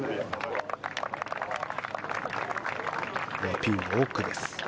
ピンの奥です。